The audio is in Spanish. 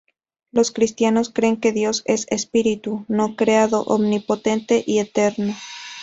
Los cristianos creen que Dios es espíritu, no creado, omnipotente y eterno.